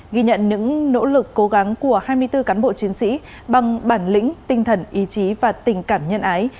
ghi nhận những nỗ lực cố gắng của hai mươi bốn cán bộ chiến sĩ bằng bản lĩnh tinh thần ý chí và tình cảm nhân ái